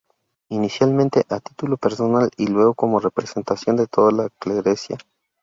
Inicialmente a título personal y luego como representación de toda la clerecía.